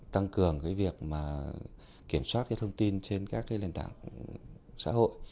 tăng cường cái việc mà kiểm soát cái thông tin trên các cái lên tảng xã hội